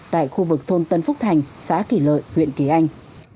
tại khu vực thôn tân phúc thành xã kỳ lợi huyện kỳ anh